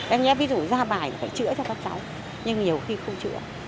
em nghe ví dụ ra bài phải chữa cho các cháu nhưng nhiều khi không chữa